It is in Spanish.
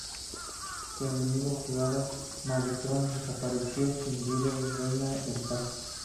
Su enemigo jurado Megatron desapareció, sin líderes reina el caos.